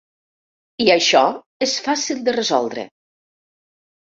I això és fàcil de resoldre.